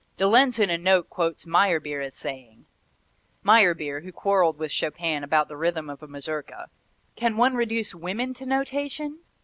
De Lenz in a note quotes Meyerbeer as saying Meyerbeer, who quarrelled with Chopin about the rhythm of a mazurka "Can one reduce women to notation?